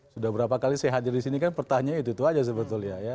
sudah berapa kali saya hadir di sini kan pertanyaannya itu itu aja sebetulnya ya